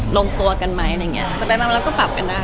ร่วงตัวกันไหมแต่ไปมาแล้วก็ปรับกันได้